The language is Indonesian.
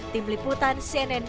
tim liputan cnn